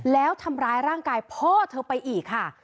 แล้วทำร้ายร่างกายพ่อเธอไปอีกค่ะ